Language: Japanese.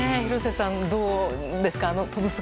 廣瀬さん、どうですか。